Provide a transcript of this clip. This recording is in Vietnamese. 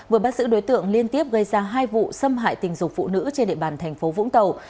vừa bắt giữ đối tượng liên tiếp gây ra hai vụ xâm hại tình dục phụ nữ trên địa bàn thành phố vũng tàu